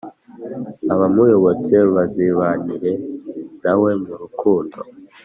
abamuyobotse bazibanire na we mu rukundo,